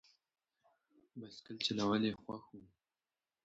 بایسکل چلول یې خوښ و.